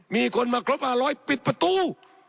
มีคนมาครบอาลอยปิดประตู